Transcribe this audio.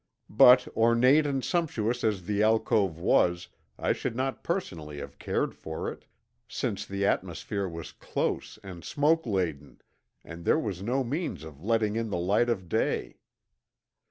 But ornate and sumptuous as the alcove was I should not personally have cared for it, since the atmosphere was close and smoke laden and there was no means of letting in the light of day.